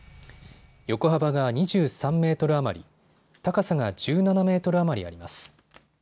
横幅が２３メートル余り、高さが１７メートル余りあります。